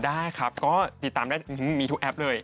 ได้ครับก็ติดตามได้มีทุกแอปเลย